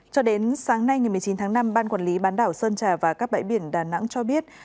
cho đến sáng nay ngày một mươi chín tháng năm ban quản lý bán đảo sơn trà và các bãi biển đà nẵng cho biết